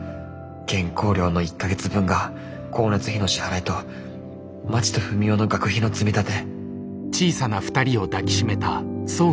原稿料の１か月分が光熱費の支払いとまちとふみおの学費の積み立て。